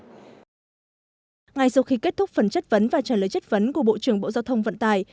ngay sau khi kết thúc phần chất vấn và trả lời chất vấn của bộ trưởng bộ giao thông vận tải